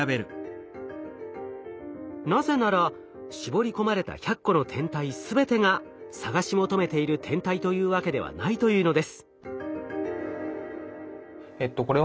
なぜなら絞り込まれた１００個の天体全てが探し求めている天体というわけではないというのです。